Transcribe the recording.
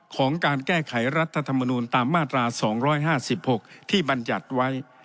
ของการแก้ไขรัฐธรรมนูลตามมาตรา๒๕๖ที่บรรยัติไว้